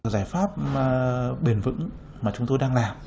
giải pháp bền vững mà chúng tôi đang làm